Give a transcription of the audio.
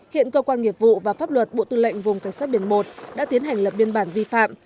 hiện cơ quan nghiệp vụ và pháp luật bộ tư lệnh vùng cảnh sát biển một đã tiến hành lập biên bản vi phạm